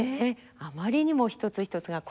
あまりにも一つ一つが個性的で。